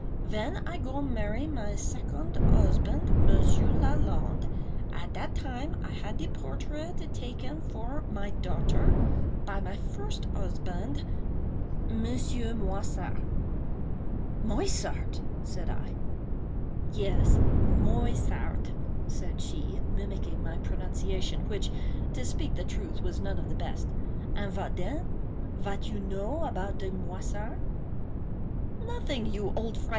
Ven I go marry my segonde usbande, Monsieur Lalande, at dat time I had de portraite take for my daughter by my first usbande, Monsieur Moissart!" "Moissart!" said I. "Yes, Moissart," said she, mimicking my pronunciation, which, to speak the truth, was none of the best,—"and vat den? Vat you know about de Moissart?" "Nothing, you old fright!